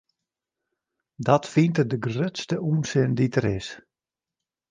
Dat fynt er de grutste ûnsin dy't der is.